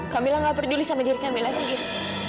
kak mila gak peduli sama diri kak mila sagir